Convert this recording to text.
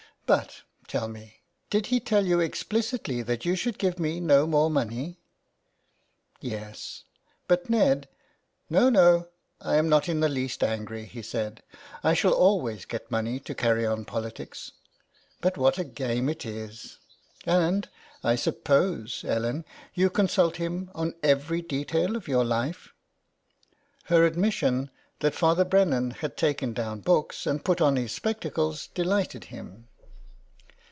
But, tell me, did he tell you explicitly that you should give me no more money ?"" Yes. But, Ned "" No, no, I am not in the least angry,'' he said, I shall always get money to carry on politics. But what a game it is ! And I suppose, Ellen, you con sult him on every detail of your Hfe? " Her admission that Father Brennan had taken down books and put on his spectacles delighted him.